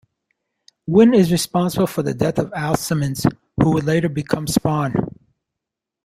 Wynn is responsible for the death of Al Simmons, who would later become Spawn.